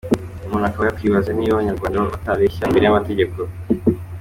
Umuntu akaba yakwibaza niba abanyarwanda batareshya imbere y’amategeko!